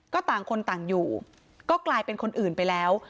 ก็ต่างคนต่างอยู่ก็กลายเป็นคนอื่นไปแล้ว